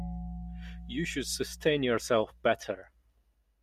You should sustain yourself better.